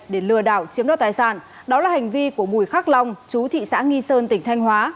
để lừa đảo chiếm đoạt tài sản đó là hành vi của bùi khắc long chú thị xã nghi sơn tỉnh thanh hóa